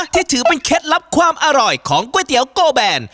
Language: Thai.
ที่ถือเป็นเคล็ดลับความอร่อยของก๋วยเตี๋ยวโกแบน